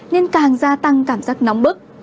nên càng gia tăng cảm giác nóng bức